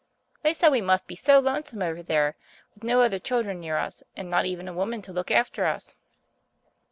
They said we must be so lonesome over there, with no other children near us, and not even a woman to look after us.